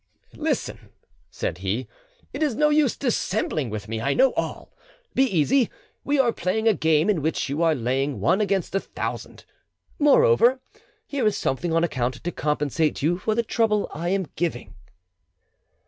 "Listen," said he, "it is no use dissembling with me, I know all. Be easy; we are playing a game in which you are laying one against a thousand; moreover, here is something on account to compensate you for the trouble I am giving."